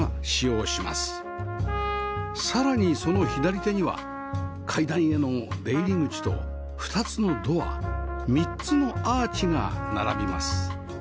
さらにその左手には階段への出入り口と２つのドア３つのアーチが並びます